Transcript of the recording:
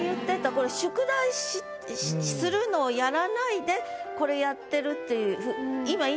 これ宿題するのをやらないでこれやってるっていう今言いましたよね。